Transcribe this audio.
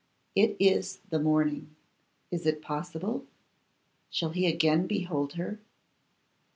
it is the morning. Is it possible? Shall he again behold her?